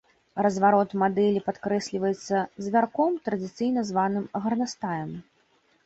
Разварот мадэлі падкрэсліваецца звярком, традыцыйна званым гарнастаем.